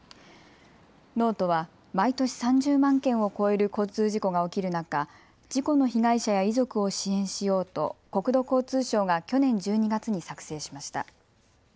ノートは毎年３０万件を超える交通事故が起きる中、事故の被害者や遺族を支援しようと国土交通省が去年１２月に作成しました。